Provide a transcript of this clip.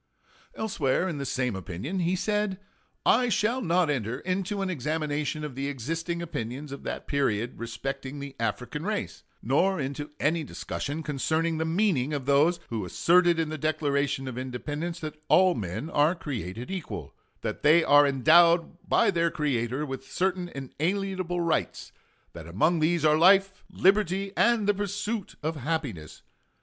Elsewhere in the same opinion he said: Ibid., pp. 574 5. I shall not enter into an examination of the existing opinions of that period respecting the African race, nor into any discussion concerning the meaning of those who asserted in the Declaration of Independence that all men are created equal; that they are endowed by their Creator with certain inalienable rights; that among these are life, liberty, and the pursuit of happiness.